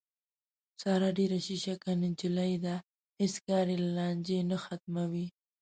ساره ډېره شیشکه نجیلۍ ده، هېڅ کار بې له لانجې نه ختموي.